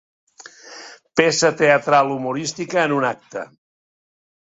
Peça teatral humorística en un acte.